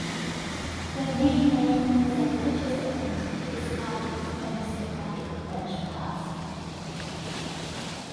The new name was a conscious attempt to discard his aristocratic French past.